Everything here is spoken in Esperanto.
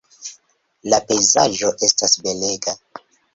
La pejzaĝo estas belega.